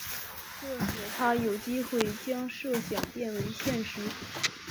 这使他有机会将设想变为现实。